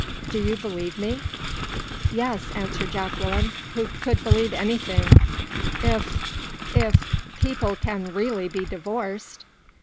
Do you believe me?" "Yes," answered Jacqueline, who could believe anything, "if if people can really be divorced."